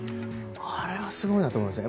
あれはすごいなと思いました。